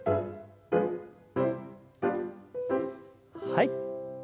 はい。